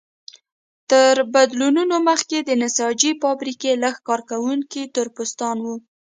تر بدلونونو مخکې د نساجۍ فابریکو لږ کارکوونکي تور پوستان وو.